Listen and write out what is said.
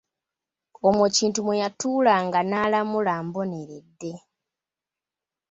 Omwo kintu mwe yatuulanga n’alamula mboneredde.